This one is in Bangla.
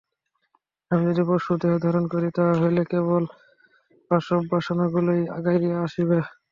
আমি যদি পশু দেহ ধারণ করি, তাহা হইলে কেবল পাশব বাসনাগুলিই আগাইয়া আসিবে।